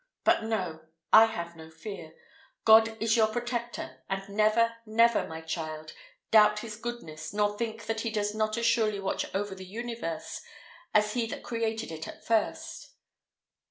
But, no; I have no fear: God is your protector; and never, never, my child, doubt his goodness, nor think that he does not as surely watch over the universe as he that created it at first.